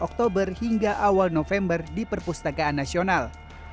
oktober hingga awal november di perpustakaan nasional